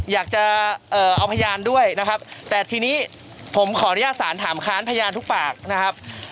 อยากจะเอาพยานด้วยนะครับแต่ทีนี้ผมขออนุญาตสารถามค้านพยานทุกปากนะครับ